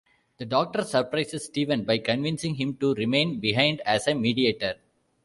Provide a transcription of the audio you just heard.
The Doctor surprises Steven by convincing him to remain behind as a mediator.